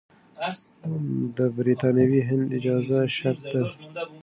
د برتانوي هند اجازه شرط ده.